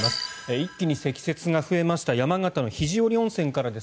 一気に積雪が増えました山形の肘折温泉からです。